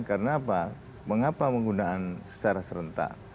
karena apa mengapa menggunakan secara serentak